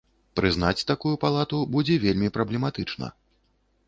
Прызнаць такую палату будзе вельмі праблематычна.